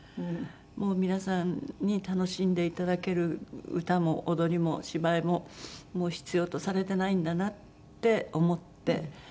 「もう皆さんに楽しんでいただける歌も踊りも芝居ももう必要とされてないんだなって思って」